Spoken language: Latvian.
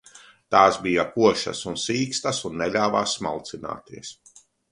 Tās bija košas un sīkstas un neļāvās smalcināties.